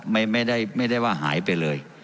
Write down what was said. ไม่ได้ว่าหายไปเลย